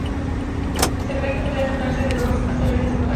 Se cree que podría tratarse de dos asteroides en contacto.